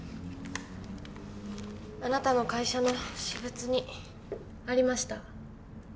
あなたの会社の私物にありました